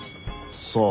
さあ。